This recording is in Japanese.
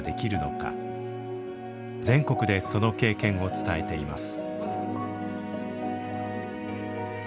全国でその経験を伝えています。